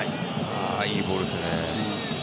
いいボールですね。